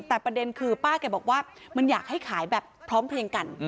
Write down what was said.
แต่ประเด็นคือป้าแกบอกว่ามันอยากให้ขายแบบพร้อมเพลียงกัน